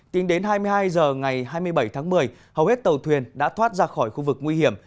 tính đến hai mươi hai h ngày hai mươi bảy tháng một mươi hầu hết tàu thuyền đã thoát ra khỏi khu vực nguy hiểm